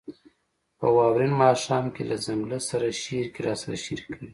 « په واورین ماښام کې له ځنګله سره» شعر کې راسره شریکوي: